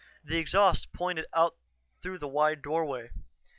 The exhausts pointed out through the wide doorway.